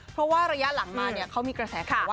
เพราะว่าระยะหลังมาเนี่ยเขามีกระแสข่าวว่า